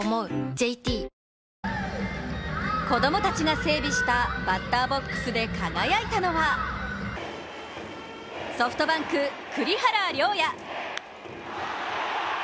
ＪＴ子供たちが整備したバッターボックスで輝いたのはソフトバンク・栗原陵矢。